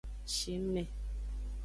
Shingme.